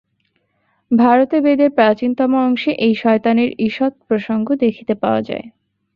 ভারতে বেদের প্রাচীনতম অংশে এই শয়তানের ঈষৎ প্রসঙ্গ দেখিতে পাওয়া যায়।